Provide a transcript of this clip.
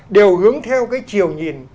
đều hướng theo cái chiều nhìn